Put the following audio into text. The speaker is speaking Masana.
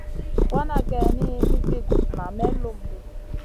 Wana kayni mi fi gusna may lum ɗi.